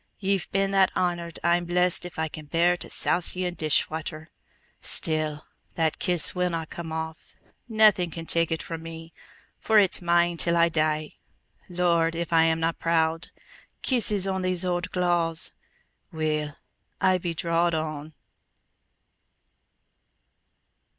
Ye've been that honored I'm blest if I can bear to souse ye in dish water. Still, that kiss winna come off! Naething can take it from me, for it's mine till I dee. Lord, if I amna proud! Kisses on these old claws! Weel, I be drawed on!"